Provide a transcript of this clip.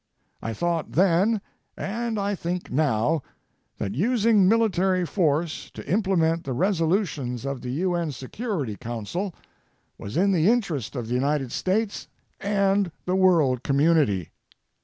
I thought then, and I think now, that using military force to implement the resolutions of the U.N. Security Council was in the interest of the United States and the world community.